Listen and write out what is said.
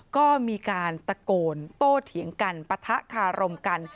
ก็มีการตะโกนโต้เถียงกันปะทะคารมกัน